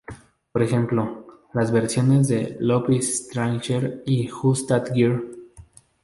Por ejemplo, las versiones de "Love Is a Stranger" y "Who's That Girl?